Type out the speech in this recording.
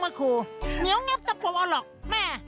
สวัสดีค่ะต่างทุกคน